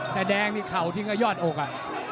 แต่แดงนี่เข่าทิ้งก็ยอดอกอ่ะ